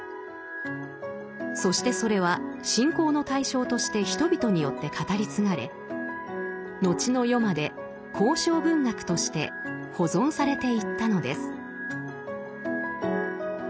そしてそれは信仰の対象として人々によって語り継がれ後の世まで口承文学として保存されていったのです。